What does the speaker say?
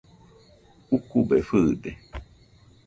Ukube fɨɨde.